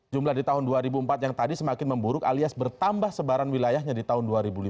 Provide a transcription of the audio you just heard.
jumlah di tahun dua ribu empat yang tadi semakin memburuk alias bertambah sebaran wilayahnya di tahun dua ribu lima belas